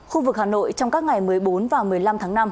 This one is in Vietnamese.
khu vực hà nội trong các ngày một mươi bốn và một mươi năm tháng năm